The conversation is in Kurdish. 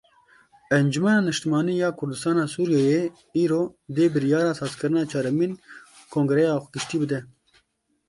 Encumena Niştimanî ya Kurdistana Sûriyeyê îro dê biryara sazkirina çaremîn kongreya giştî bide.